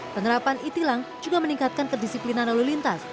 penerapan etlang juga meningkatkan kedisiplinan lalu lintas